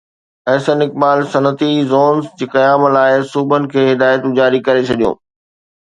احسن اقبال صنعتي زونز جي قيام لاءِ صوبن کي هدايتون جاري ڪري ڇڏيون